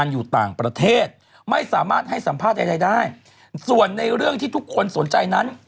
อยู่ต่างประเทศไม่สามารถให้สัมภาษณ์ใดได้ส่วนในเรื่องที่ทุกคนสนใจนั้น